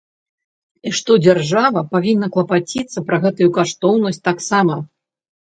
І што дзяржава павінна клапаціцца пра гэтую каштоўнасць таксама.